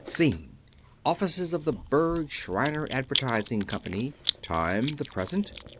"Scene: Offices of the Berg, Shriner Advertising Company. Time, the present.